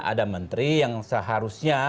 ada menteri yang seharusnya